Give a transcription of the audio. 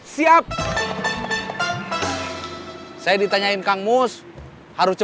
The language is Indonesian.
sampai jumpa di video selanjutnya